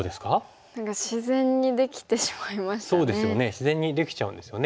自然にできちゃうんですよね。